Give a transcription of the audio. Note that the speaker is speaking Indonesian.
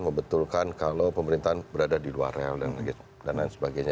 membetulkan kalau pemerintahan berada di luar rel dan lain sebagainya